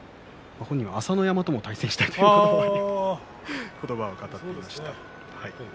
本人は朝乃山とも対戦をしたいということを話しています。